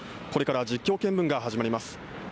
これから実況見分が始まります。